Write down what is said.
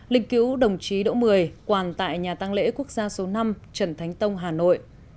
linh cứu đồng chí đỗ mười quàn tại nhà tăng lễ quốc gia số năm trần thánh tông hà nội